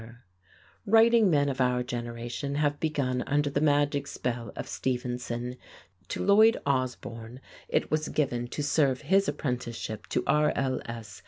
] [Illustration: HARRY LEON WILSON] Writing men of our generation have begun under the magic spell of Stevenson. To Lloyd Osbourne it was given to serve his apprenticeship to R. L. S.